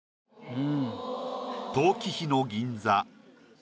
うん。